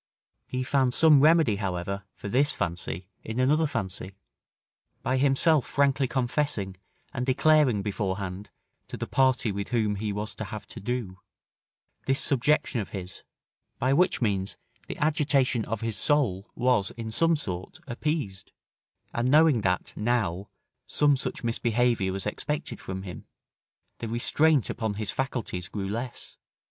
He found some remedy, however, for this fancy in another fancy, by himself frankly confessing and declaring beforehand to the party with whom he was to have to do, this subjection of his, by which means, the agitation of his soul was, in some sort, appeased; and knowing that, now, some such misbehaviour was expected from him, the restraint upon his faculties grew less.